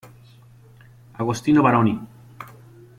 Agostino Baroni.